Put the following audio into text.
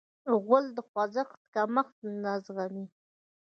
غول د خوځښت کمښت نه زغمي.